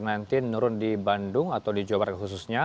menurun di bandung atau di jawa barat khususnya